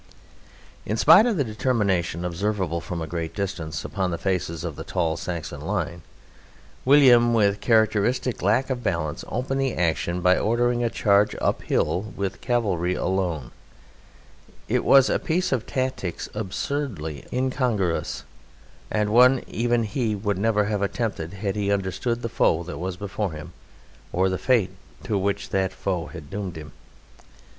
In spite of the determination observable from a great distance upon the faces of the tall Saxon line, William with characteristic lack of balance opened the action by ordering a charge uphill with cavalry alone; it was a piece of tactics absurdly incongruous and one even he would never have attempted had he understood the foe that was before him, or the fate to which that foe had doomed him.